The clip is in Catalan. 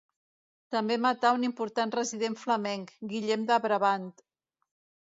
També matà un important resident flamenc, Guillem de Brabant.